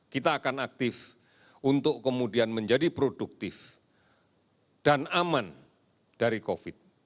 kita akan aktif untuk kemudian menjadi produktif dan aman dari covid